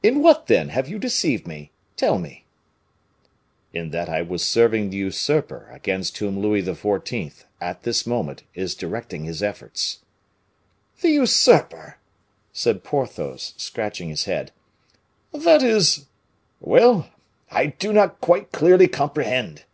In what, then, have you deceived me, tell me?" "In that I was serving the usurper against whom Louis XIV., at this moment, is directing his efforts." "The usurper!" said Porthos, scratching his head. "That is well, I do not quite clearly comprehend!"